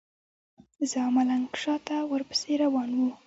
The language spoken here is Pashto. زه او ملنګ شاته ورپسې روان وو.